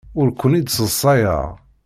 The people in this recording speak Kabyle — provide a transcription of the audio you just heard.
Ur ken-id-sseḍsayeɣ.